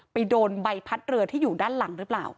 ไปโดนใบพัดเรือที่อยู่ด้านหลังหรือเปล่า